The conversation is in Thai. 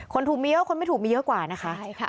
คนถูกมีเยอะคนไม่ถูกมีเยอะกว่านะคะใช่ค่ะ